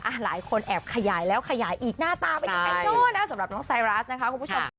อ่ะหลายคนแอบขยายแล้วขยายอีกหน้าตาไปกันเนาะสำหรับน้องไซรัสนะคะคุณผู้ชม